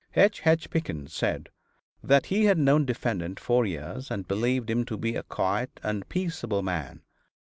H. H. Pickens said that he had known defendant four years, and believed him to be a quiet and peaceable man.